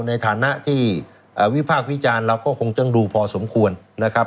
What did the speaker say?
ในฐานะที่วิพากษ์วิจารณ์เราก็คงต้องดูพอสมควรนะครับ